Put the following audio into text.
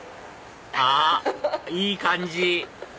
あいい感じ！